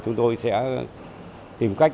chúng tôi sẽ tìm cách